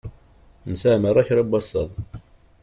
Nesεa merra kra n wasaḍ.